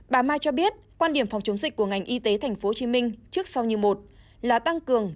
bà mai cho biết quan điểm phòng chống dịch của ngành y tế tp hcm trước sau như một là tăng cường